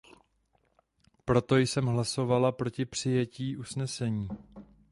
Proto jsem hlasovala proti přijetí usnesení.